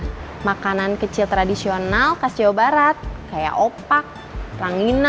harsh makanan kecil tradisional khas jawa barat kayak opak ranginang kicimpring opak